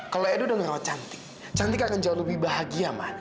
kalau edo udah ngerawat cantik cantik akan jauh lebih bahagia ma